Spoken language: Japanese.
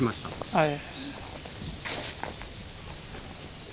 はい。